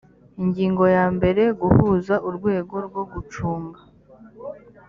ingingo ya mbere guhuza urwego rwo gucunga